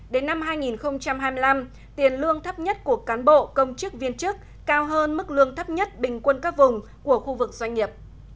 đến năm hai nghìn hai mươi năm tiền lương thấp nhất của cán bộ công chức viên chức cao hơn mức lương thấp nhất bình quân các vùng của khu vực doanh nghiệp